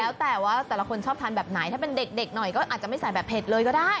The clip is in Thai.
แล้วแต่ว่าแต่ละคนชอบทานแบบไหนถ้าเป็นเด็กหน่อยก็อาจจะไม่ใส่แบบเผ็ดเลยก็ได้